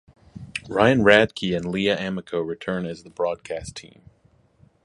Ryan Radtke and Leah Amico return as the broadcast team.